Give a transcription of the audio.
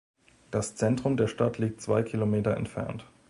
Das Zentrum der Stadt liegt zwei Kilometer entfernt.